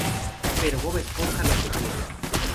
Pero Bob Esponja los detiene.